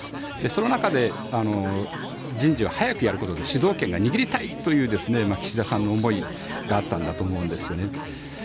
その中で人事を早くやることで主導権を握りたいという岸田さんの思いがあったと思うんですよね。